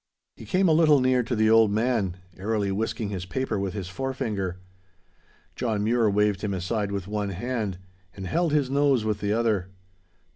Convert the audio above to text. He came a little near to the old man, airily whisking his paper with his forefinger. John Mure waved him aside with one hand, and held his nose with the other.